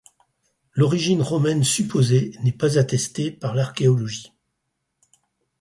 L'origine romaine supposée n'est pas attestée par l'archéologie.